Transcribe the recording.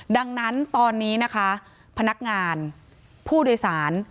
ดังนั้นตอนนี้นะคะพนักงานผู้โดยสาร